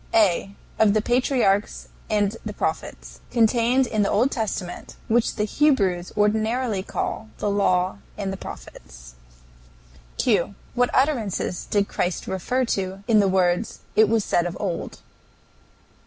A. Of the patriarchs and the prophets, contained in the Old Testament, which the Hebrews ordinarily call the Law and the Prophets. Q. What utterances did Christ refer to in the words, "It was said of old"?